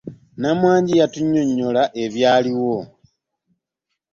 Namwanje yatunyonnyola ebyaliwo .